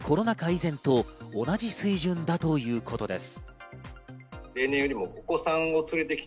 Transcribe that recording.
以前と同じ水準だということです。